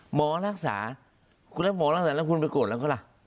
หมอรักษาคุณแล้วหมอรักษาแล้วคุณไปโกรธแล้วเขาล่ะ